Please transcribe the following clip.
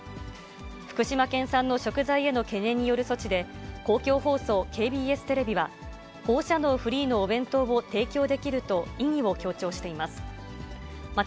福島県産の食材への懸念による措置で、公共放送ＫＢＳテレビは、放射能フリーのお弁当を提供できると意義を強調しています。